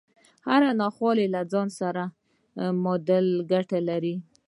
هره ناخواله له ځان سره معادل ګټه لري